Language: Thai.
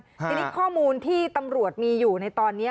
ทีนี้ข้อมูลที่ตำรวจมีอยู่ในตอนนี้